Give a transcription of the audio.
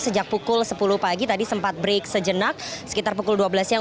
sejak pukul sepuluh pagi tadi sempat break sejenak sekitar pukul dua belas siang